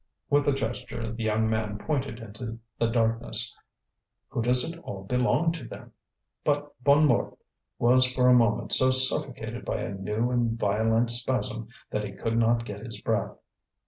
With a gesture the young man pointed into the darkness. "Who does it all belong to, then?" But Bonnemort was for a moment so suffocated by a new and violent spasm that he could not get his breath.